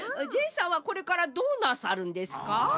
ジェイさんはこれからどうなさるんですか？